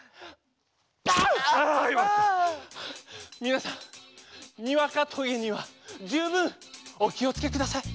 みなさんにわかとげにはじゅうぶんおきをつけください。